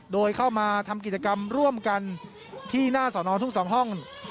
โดยเข้ามาทำกิจกรรมร่วมกันที่หน้าสอนอทุก๒ห้อง